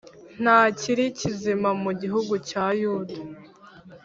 Nta kiri kizima mu gihugu cya Yuda